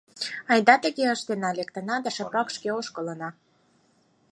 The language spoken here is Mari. Айда тыге ыштена: лектына да шыпак шке ошкылына.